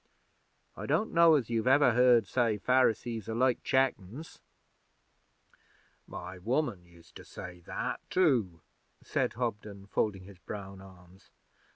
I don't know as you've ever heard say Pharisees are like chickens?' 'My woman used to say that too,' said Hobden, folding his brown arms.